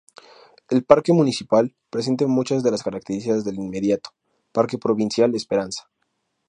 El parque municipal presenta muchas de las características del inmediato parque provincial Esperanza.